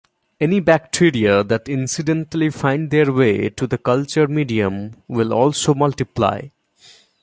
Any bacteria that incidentally find their way to the culture medium will also multiply.